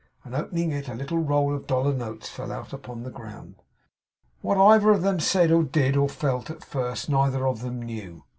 And opening it a little roll of dollar notes fell out upon the ground. What either of them said, or did, or felt, at first, neither of them knew.